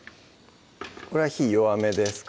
これは火弱めですか？